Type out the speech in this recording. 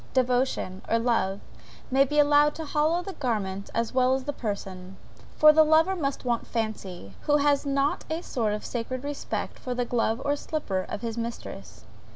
Devotion, or love, may be allowed to hallow the garments as well as the person; for the lover must want fancy, who has not a sort of sacred respect for the glove or slipper of his mistress.